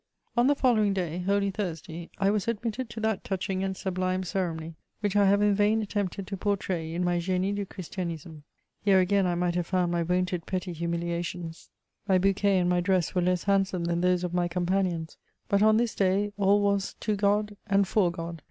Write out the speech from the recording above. On the following day. Holy Thursday, I was admitted to that touching and sublime ceremony, which I have in vain attempted to portray in my '' G^ue du ChristianiiBme." Here again I might have found my wonted petty humihationa. My bouquet and my dress were less handsome than those of my companions ; but on this day all was to Grod and for Gfod.